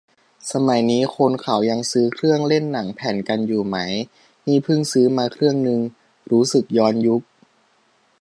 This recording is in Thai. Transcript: สมัยนี้คนเขายังซื้อเครื่องเล่นหนังแผ่นกันอยู่ไหม นี่เพิ่งซื้อมาเครื่องนึง รู้สึกย้อนยุค